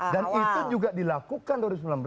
dan itu juga dilakukan dua ribu sembilan belas